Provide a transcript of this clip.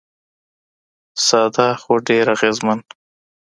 ساده خو ډېر اغېزمن.